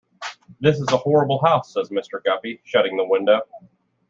"This is a horrible house," says Mr. Guppy, shutting the window.